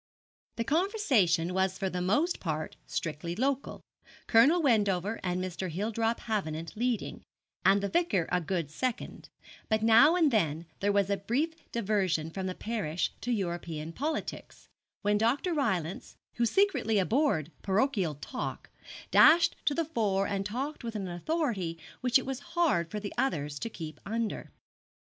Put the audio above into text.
The conversation was for the most part strictly local, Colonel Wendover and Mr. Hildrop Havenant leading, and the Vicar a good second; but now and then there was a brief diversion from the parish to European politics, when Dr. Rylance who secretly abhorred parochial talk dashed to the fore and talked with an authority which it was hard for the others to keep under.